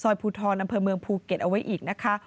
ภูทรอำเภอเมืองภูเก็ตเอาไว้อีกนะคะ